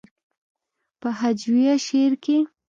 پۀ هجويه شعر کښې